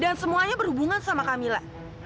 dan semuanya berhubungan sama kamila